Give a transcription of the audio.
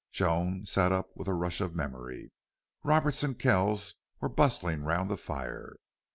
Joan sat up with a rush of memory. Roberts and Kells were bustling round the fire.